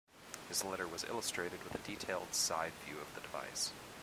His letter was illustrated with a detailed side view of the device.